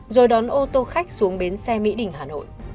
rồi đón ô tô khách xuống bến xe mỹ đình hà nội